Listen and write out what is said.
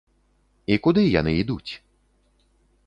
І куды яны ідуць?